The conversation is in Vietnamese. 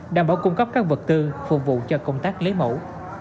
đảm bảo cung cấp các vật tư phục vụ cho công tác lấy mẫu